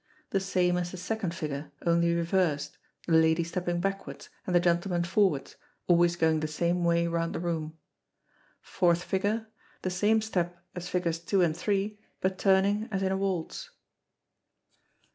_ The same as the second figure, only reversed, the lady stepping backwards, and the gentleman forwards, always going the same way round the room. Fourth Figure. The same step as figures two and three, but turning as in a waltz.